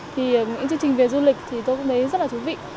thì những chương trình về du lịch thì tôi cũng thấy rất là thú vị